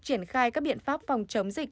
triển khai các biện pháp phòng chống dịch